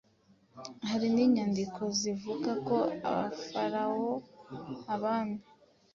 Hari n’inyandiko zivuga ko abafaraho (abami)